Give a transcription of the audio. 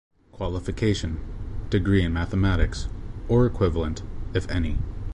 Qualification: Degree in Mathematics, or equivalent, if any.